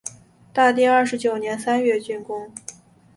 大定二十九年三月竣工。